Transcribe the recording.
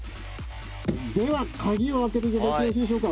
では鍵を開けていただいてよろしいでしょうか？